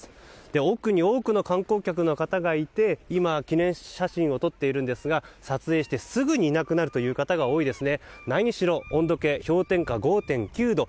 奥に多くの観光客の方がいて今、記念写真を撮っているんですが撮影してすぐにいなくなるという方が多いですね。